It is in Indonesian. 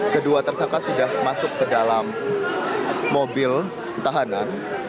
kedua tersangka sudah masuk ke dalam mobil tahanan